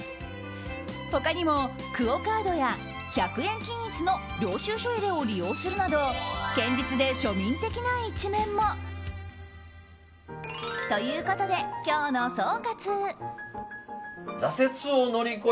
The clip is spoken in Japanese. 他にもＱＵＯカードや１００円均一の領収書入れを使用するなど堅実で庶民的な一面も。ということで、今日の総括。